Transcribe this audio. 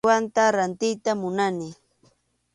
Uywatam rantiyta munani.